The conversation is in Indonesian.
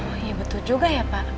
wah iya betul juga ya pak